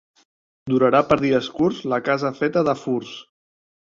Durarà per dies curts la casa feta de furts.